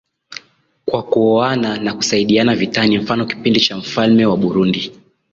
Kwa kuoana na kusaidiana vitani mfano kipindi cha mfalme wa burundi